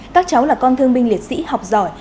các cháu là con thương binh liệt sĩ học giỏi